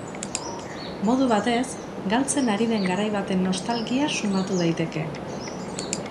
Modu batez, galtzen ari den garai baten nostalgia sumatu daiteke.